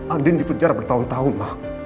andi di penjara bertahun tahun